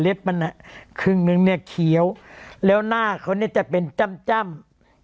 เล็บมันอ่ะครึ่งหนึ่งเนี่ยเขียวแล้วหน้าเขานี่จะเป็นจำจำ